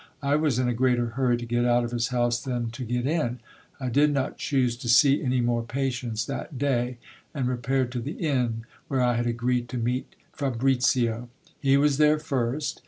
I was in a greater hurry to get out of his house than to get in. I did not choose to see any more patients that day, and repaired to the inn where I had agreed to meet Fabricio. He was there first.